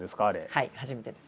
はい初めてです。